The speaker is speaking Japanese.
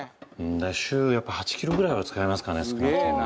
週８キロぐらいは使いますかね少なくともね。